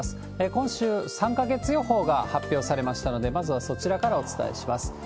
今週、３か月予報が発表されましたので、まずはそちらからお伝えします。